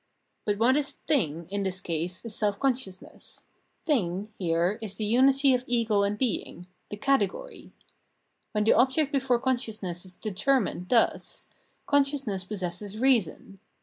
But what is " thing " in this case is self consciousness; "thing" here is the 334 Phenomenology of Mind unity of ego and being — the Category. Wlien tlie object before consciousness is determined thus, con sciousness possesses reason.